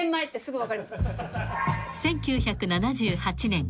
［１９７８年。